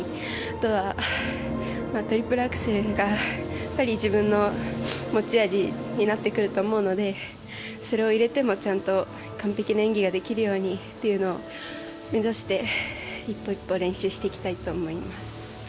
あとはトリプルアクセルが自分の持ち味になってくると思うのでそれを入れてもちゃんと完璧な演技ができるようにというのを目指して、一歩一歩練習していきたいと思います。